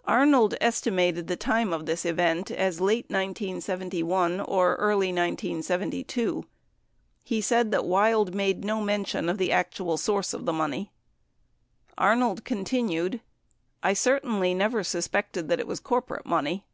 84 Arnold estimated the time of this event as late 1971 or early 1972. He said that Wild made no mention of the actual source of the money. Arnold continued, "I certainly never suspected it was corporate money."